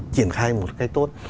triển khai một cách tốt